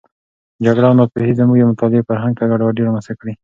جګړه او ناپوهي زموږ د مطالعې فرهنګ ته ګډوډي رامنځته کړې.